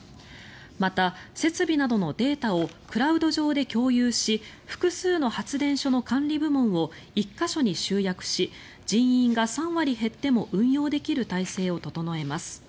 また、設備などのデータをクラウド上で共有し複数の発電所の管理部門を１か所に集約し人員が３割減っても運用できる体制を整えます。